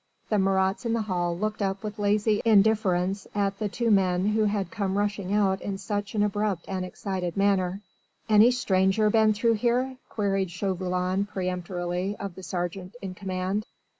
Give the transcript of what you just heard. The Marats in the hall looked up with lazy indifference at the two men who had come rushing out in such an abrupt and excited manner. "Any stranger been through here?" queried Chauvelin peremptorily of the sergeant in command.